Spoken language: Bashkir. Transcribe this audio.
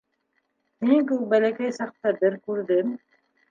Һинең кеүек бәләкәй саҡта бер күрҙем.